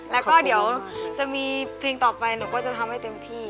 แล้วก็เดี๋ยวจะมีเพลงต่อไปหนูก็จะทำให้เต็มที่